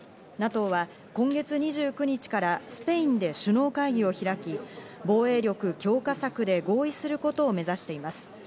ＮＡＴＯは今月２９日からスペインで首脳会議を開き、防衛力強化策で合意することを目指しています。